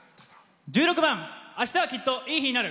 １６番「明日はきっといい日になる」。